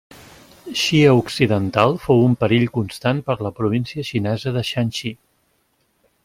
Xia occidental fou un perill constant per la província xinesa de Shanxi.